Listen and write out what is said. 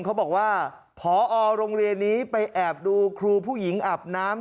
เขาบอกว่าพอโรงเรียนนี้ไปแอบดูครูผู้หญิงอาบน้ำ